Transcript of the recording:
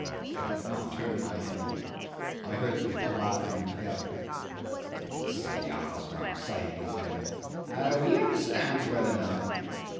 I did not turn my head. I heard them palavering together. 'The silly ass won't say anything.' 'Oh, he understands well enough.